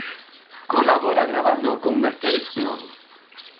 Colabora gravando con Mercedes Peón.